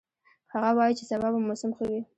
هغه وایي چې سبا به موسم ښه وي